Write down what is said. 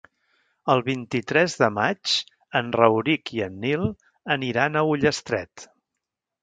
El vint-i-tres de maig en Rauric i en Nil aniran a Ullastret.